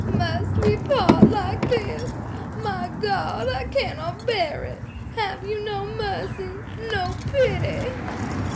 "Must we part like this? My God! I cannot bear it! Have you no mercy, no pity?"